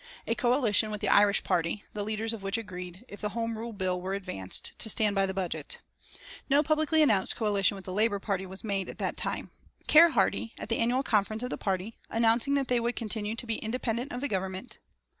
A coalition with the Irish party, the leaders of which agreed, if the Home Rule bill were advanced, to stand by the budget. No publicly announced coalition with the Labour Party was made at that time, Keir Hardie, at the annual conference of the party, announcing that they would continue to be independent of the Government.